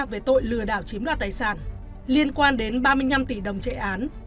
về tội lừa đảo chiếm đoạt tài sản liên quan đến ba mươi năm tỷ đồng chạy án